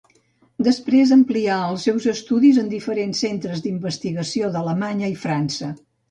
Després amplià els seus estudis en diferents centres d'investigació d'Alemanya i França.